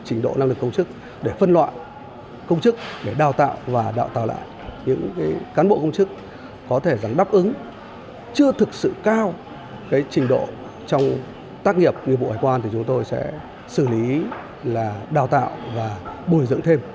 trình độ năng lực công chức để phân loại công chức để đào tạo và đào tạo lại những cán bộ công chức có thể rằng đáp ứng chưa thực sự cao trình độ trong tác nghiệp nghiệp vụ hải quan thì chúng tôi sẽ xử lý là đào tạo và bồi dưỡng thêm